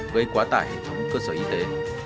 gây quá tải hệ thống cơ sở y tế